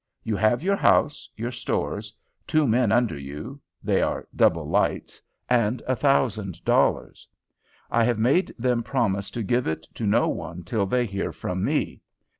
You have your house, your stores, two men under you (they are double lights), and a thousand dollars. I have made them promise to give it to no one till they hear from me.